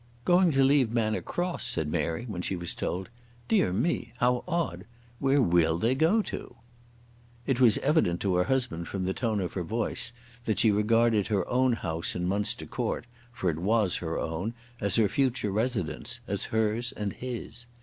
"Going to leave Manor Cross," said Mary, when she was told. "Dear me; how odd. Where will they go to?" It was evident to her husband from the tone of her voice that she regarded her own house in Munster Court, for it was her own, as her future residence, as hers and his.